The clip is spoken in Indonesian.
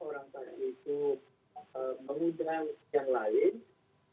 jadi semua usulan itu sifatnya baik